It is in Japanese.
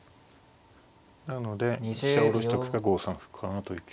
なので飛車下ろしとくか５三歩かなという。